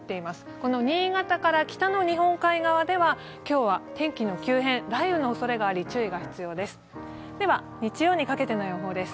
この新潟から北の日本海側では今日は天気の急変、雷雨のおそれがあり、注意が必要です。